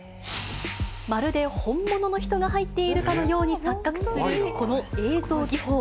まるで本物の人が入っているかのように錯覚するこの映像技法。